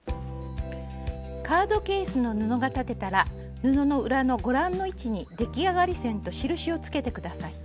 カードケースの布が裁てたら布の裏のご覧の位置に出来上がり線と印をつけて下さい。